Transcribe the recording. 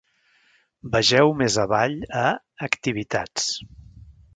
Vegeu més avall, a "Activitats".